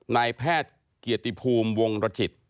นายแพทย์เกียรติภูมิวงรจิต